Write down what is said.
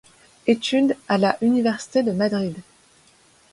Études à la Université de Madrid.